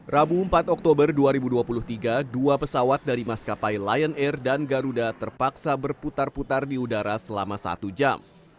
rabu empat oktober dua ribu dua puluh tiga dua pesawat dari maskapai lion air dan garuda terpaksa berputar putar di udara selama satu jam